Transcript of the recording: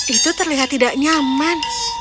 itu terlihat tidak nyaman